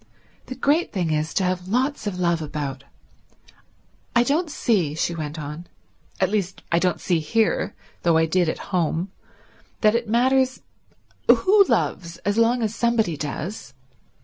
The great thing is to have lots of love about. I don't see," she went on, "at least I don't see here, though I did at home, that it matters who loves as long as somebody does.